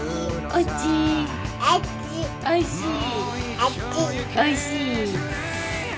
おいちい。